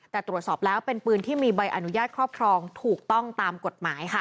แต่ตรวจสอบแล้วเป็นปืนที่มีใบอนุญาตครอบครองถูกต้องตามกฎหมายค่ะ